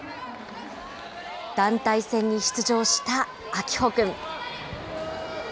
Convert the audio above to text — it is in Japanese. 団体戦に出場した明峰君。